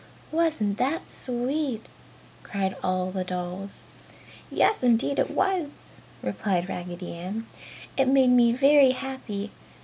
"Wasn't that sweet!" cried all the dolls. "Yes indeed it was!" replied Raggedy Ann, "It made me very happy.